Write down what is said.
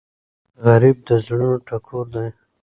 غریب د زړونو ټکور دی